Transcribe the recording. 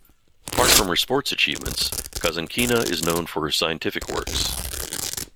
Apart from her sports achievements, Kazankina is known for her scientific works.